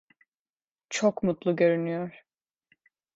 Çok mutlu görünüyor.